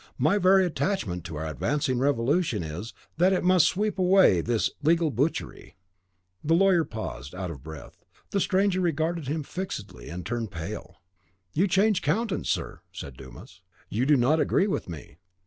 My very attachment to our advancing revolution is, that it must sweep away this legal butchery." The lawyer paused, out of breath. The stranger regarded him fixedly and turned pale. "You change countenance, sir," said Dumas; "you do not agree with me."